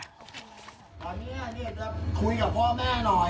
ตอนนี้เนี่ยจะคุยกับพ่อแม่หน่อย